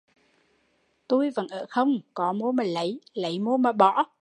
Tui vẫn ở không, có mô mà lấy, lấy mô mà bỏ